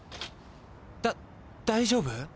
だ大丈夫？